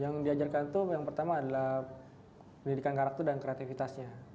yang diajarkan itu yang pertama adalah pendidikan karakter dan kreativitasnya